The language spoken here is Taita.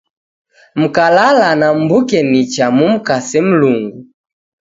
Mkalala na mw'uke nicha , mumkase Mlungu